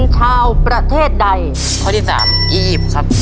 ข้อที่๓อียีปครับ